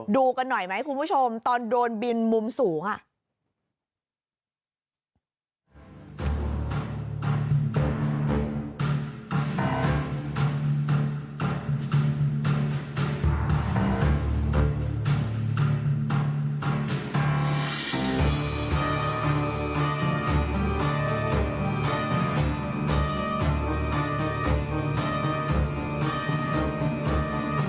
ดูกันหน่อยไหมคุณผู้ชมตอนโดนบินมุมสูงอ่ะ